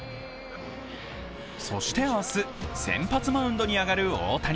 そして明日、先発マウンドに上がる大谷。